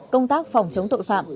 công tác phòng chống tội phạm